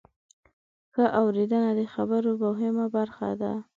ښه اورېدنه د خبرو مهمه برخه ده.